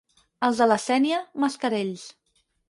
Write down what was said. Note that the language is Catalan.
Els de la Sénia, mascarells.